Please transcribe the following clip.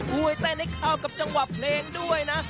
วยเต้นให้เข้ากับจังหวะเพลงด้วยนะ